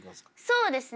そうですね。